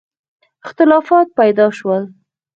اختلافات پیدا شول.